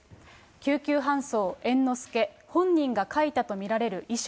救急搬送猿之助、本人が書いたと見られる遺書。